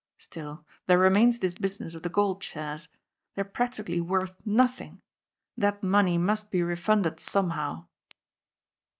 Still there remains this business of the gold shares. They are practically worth nothing. That money must be re funded somehow."